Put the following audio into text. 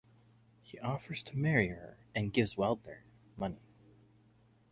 He offers to marry her and gives Waldner money.